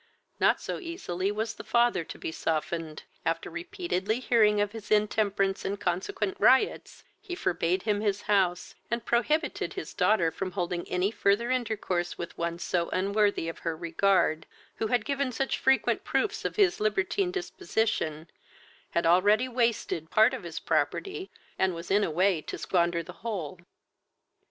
Not so easily was the father to be softened. After repeatedly hearing of his intemperance and consequent riots, he forbade him his house, and prohibited his daughter from holding any further intercourse with one so unworthy of her regard, who had given such frequent proofs of his libertine disposition, had already wasted part of his property, and was in a way to squander the whole.